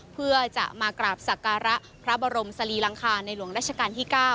เพื่อจะมากราบศภบรมศศลีลังคาในหลวงราชการที่๙